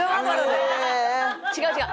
違う違う！